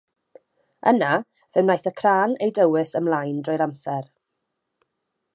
Yna fe wnaeth y craen ei dywys ymlaen drwy amser.